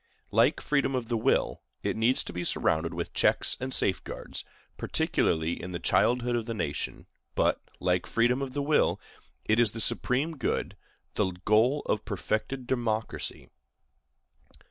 Like freedom of the will, it needs to be surrounded with checks and safeguards, particularly in the childhood of the nation; but, like freedom of the will, it is the supreme good, the goal of perfected democracy.